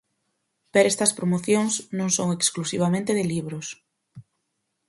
Pero estas promocións non son exclusivamente de libros.